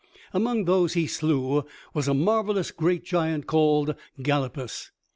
Among those he slew was a marvelous great giant called Galapus.